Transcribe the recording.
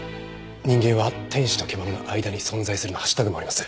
「人間は天使と獣の間に存在する」のハッシュタグもあります。